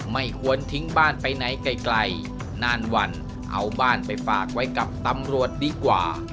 ไม่ควรทิ้งบ้านไปไหนไกลนานวันเอาบ้านไปฝากไว้กับตำรวจดีกว่า